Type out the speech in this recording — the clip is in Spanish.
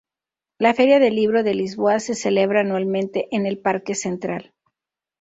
La Feria del Libro de Lisboa se celebra anualmente en el parque central.